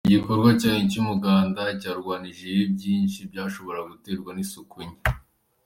igikorwa cyanyu cy’umuganda cyarwanyije ibibi byinshi byashoboraga guterwa n’isuku nke.